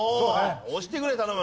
押してくれ頼む。